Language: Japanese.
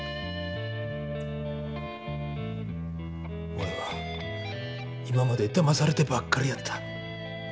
おれは今までだまされてばっかりやった。